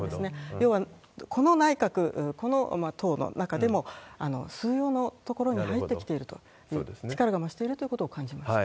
要は、この内閣、この党の中でも、枢要のところに入ってきていると、力が増しているということを感じました。